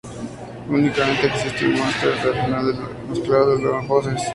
Únicamente, existe un máster del audio final mezclado con las voces.